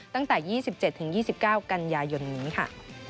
ตั้งแต่๒๗๒๙กันยายนนี้ค่ะ